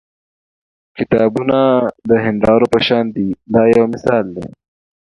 کتابونه د هیندارو په شان دي دا یو مثال دی.